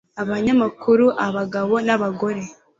abanyamakuru abagabo n abagore